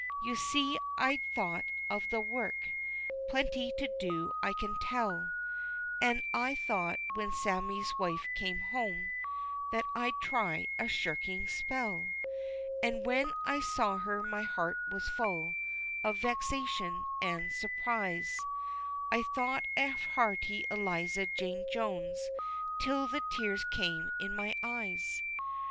You see, I'd a thought of the work, Plenty to do I can tell, An' I thought when Sammie's wife came home That I'd try a shirking spell. An' when I saw her, my heart was full Of vexation an' surprise, I thought of hearty Eliza Jane Jones Till the tears came in my eyes.